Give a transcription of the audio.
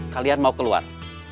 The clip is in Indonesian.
kalian mau keluar